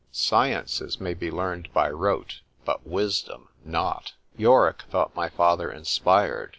—SCIENCES MAY BE LEARNED BY ROTE BUT WISDOM NOT. Yorick thought my father inspired.